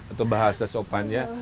atau bahasa sopannya